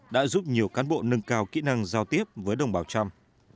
đã giúp nhiều cán bộ nâng cao kỹ năng giao tiếp với đồng bào trăm